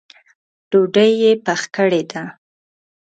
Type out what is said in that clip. ډوډۍ یې پخه کړې ده؟